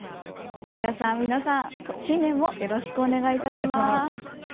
古谷さん、皆さん新年もよろしくお願いいたします。